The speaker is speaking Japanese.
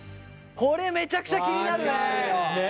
これめちゃくちゃ気になるね。